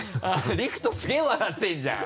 陸斗すげぇ笑ってるじゃん！